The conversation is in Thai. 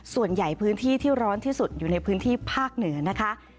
ส่วนใหญ่พื้นที่ที่ร้อนที่สุดอยู่ในพื้นที่ภาคเหนือนะคะ